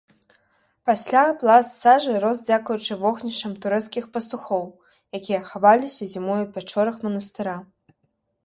Пасля пласт сажы рос дзякуючы вогнішчам турэцкіх пастухоў, якія хаваліся зімой у пячорах манастыра.